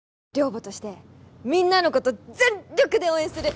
寮母としてみんなのこと全力で応援する！